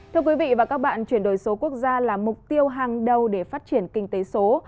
thưa quý vị và các bạn chuyển đổi số quốc gia là mục tiêu hàng đầu để phát triển kinh tế số